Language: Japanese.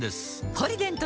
「ポリデント」